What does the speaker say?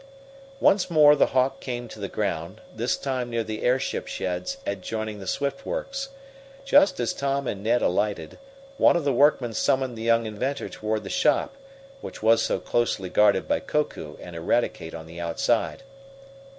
Once more the Hawk came to the ground, this time near the airship sheds adjoining the Swift works. Just as Tom and Ned alighted, one of the workmen summoned the young inventor toward the shop, which was so closely guarded by Koku and Eradicate on the outside.